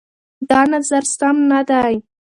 دا نظر سم نه دی.